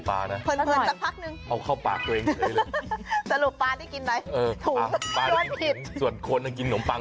พักปีหนึ่ง